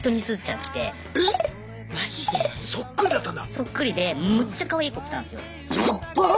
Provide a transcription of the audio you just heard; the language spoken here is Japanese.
そっくりでむっちゃかわいい子来たんすよ。